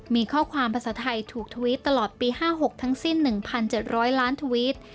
มีข้อความภาษาไทยถูกทวิตตลอดปี๕๖ทั้งสิ้น๑๗๐๐ล้านทวิต